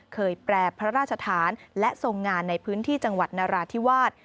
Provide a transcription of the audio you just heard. แปรพระราชฐานและทรงงานในพื้นที่จังหวัดนราธิวาส